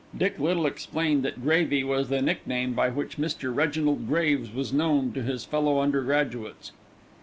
Dick Little explained that "Gravy" was the nickname by which Mr. Reginald Graves was known to his fellow undergraduates.